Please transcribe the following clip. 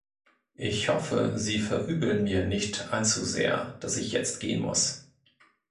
Ich hoffe, Sie verübeln mir nicht allzu sehr, dass ich jetzt gehen muss.